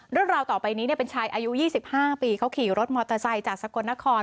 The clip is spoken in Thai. เรื่องราวต่อไปนี้เป็นชายอายุ๒๕ปีเขาขี่รถมอเตอร์ไซค์จากสกลนคร